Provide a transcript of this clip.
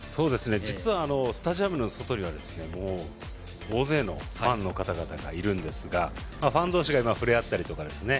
実はスタジアムの外にはもう大勢のファンの方々がいるんですがファン同士が今、触れ合ったりとかですね